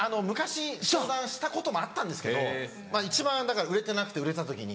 相談したこともあったんですけど一番売れてなくて売れた時に。